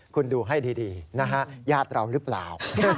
คุณดูให้ดีนะฮะญาติเราหรือเปล่า